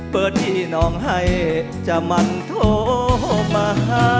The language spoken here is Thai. เปิดที่น้องให้จะมันโทษมา